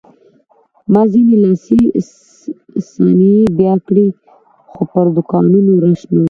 ما ځینې لاسي صنایع بیه کړې خو پر دوکانونو رش نه و.